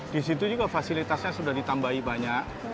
di situ juga fasilitasnya sudah ditambahi banyak